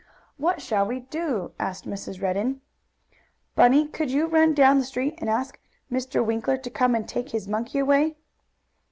"What shall we do?" asked Mrs. Redden. "Bunny, could you run down the street, and ask Mr. Winkler to come and take his monkey away?"